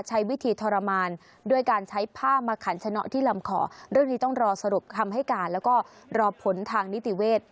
ใช้วิธีทรมานด้วยการใช้ผ้ามาขันชะเนาะที่ลำคอเรื่องนี้ต้องรอสรุปคำให้การแล้วก็รอผลทางนิติเวทย์